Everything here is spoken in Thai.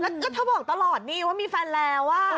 แล้วก็เธอบอกตลอดนี่ว่ามีแฟนแล้ว